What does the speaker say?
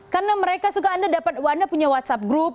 karena mereka suka anda dapat anda punya whatsapp group